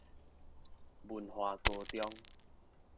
文華高中